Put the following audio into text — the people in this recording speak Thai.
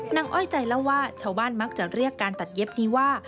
อ้อยใจเล่าว่าชาวบ้านมักจะเรียกการตัดเย็บนี้ว่า